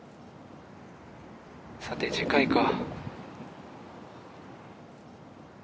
さて次回か。